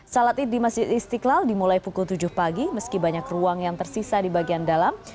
salat id di masjid istiqlal dimulai pukul tujuh pagi meski banyak ruang yang tersisa di bagian dalam